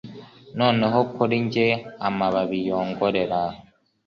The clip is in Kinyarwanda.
Noneho kuri njye amababi yongorera